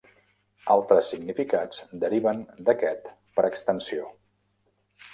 Altres significats deriven d'aquest per extensió.